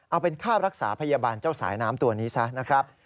เอาเป็นค่ารักษาพยาบาลเจ้าสายน้ำตัวนี้ซะนะครับ